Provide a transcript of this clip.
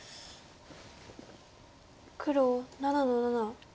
黒７の七。